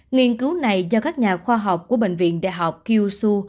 nghiên cứu này do các nhà khoa học của bệnh viện đại học kyushu